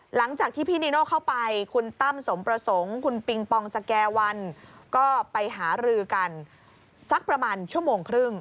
หลังจากที่พี่นีโน่เข้าไปคุณตั้มสมประสงค์คุณปิงปองสแก่วันก็ไปหารือกันสักประมาณชั่วโมงครึ่ง